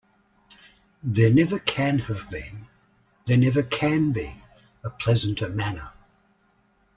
There never can have been, there never can be, a pleasanter manner.